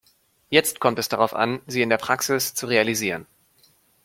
Jetzt kommt es darauf an, sie in der Praxis zu realisieren.